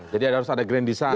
jadi harus ada grand design